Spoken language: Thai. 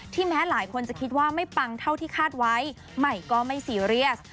แม้หลายคนจะคิดว่าไม่ปังเท่าที่คาดไว้ใหม่ก็ไม่ซีเรียส